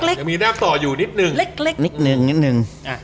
ยังมีแต้มต่ออยู่นิดนึง